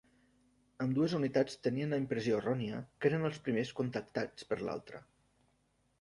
Ambdues unitats tenien la impressió errònia que eren els primers contactats per l'altre.